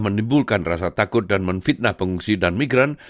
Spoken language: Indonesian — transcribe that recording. menimbulkan rasa takut dan menfitnah pengungsi dan migran